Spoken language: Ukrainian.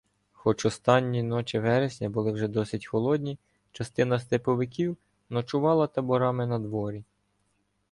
Хоч останні ночі вересня були вже досить холодні, частина степовиків ночувала таборами надворі.